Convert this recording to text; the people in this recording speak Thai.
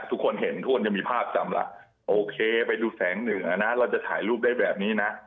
ทุกคนเห็นทุกคนจะมีภาพจำละโอเคไปดูแสงเหนือนะเราจะถ่ายรูปได้แบบนี้นะ